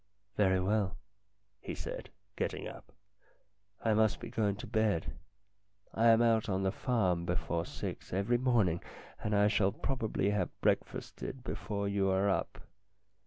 "Very well," he said, getting up. "I must be going to bed. I am out on the farm before six every morning, and I shall probably have break fasted before you are up.